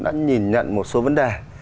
đã nhìn nhận một số vấn đề